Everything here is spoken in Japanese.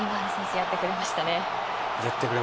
やってくれましたね。